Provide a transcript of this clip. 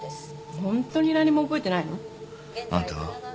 ホントに何も覚えてないの？あんたは？